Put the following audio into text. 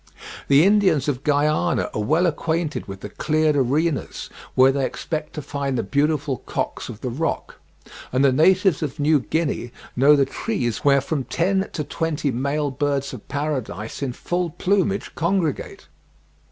The Indians of Guiana are well acquainted with the cleared arenas, where they expect to find the beautiful cocks of the Rock; and the natives of New Guinea know the trees where from ten to twenty male birds of paradise in full plumage congregate.